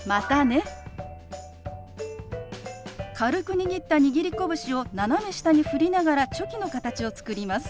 軽く握った握り拳を斜め下に振りながらチョキの形を作ります。